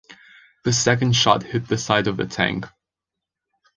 The second shot hit the side of the tank.